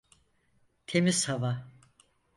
Temiz hava…